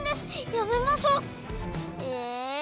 やめましょう！え。